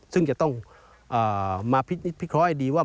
ซึ่งจะต้องมาพิกร้อยดีว่า